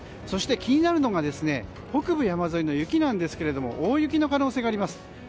そして気になるのが北部山沿いの雪なんですけども大雪の可能性があります。